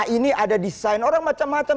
ini ada desain orang macam macam